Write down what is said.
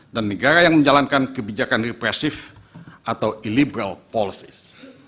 dan negara yang menjalankan kebijakan represif atau illiberal policies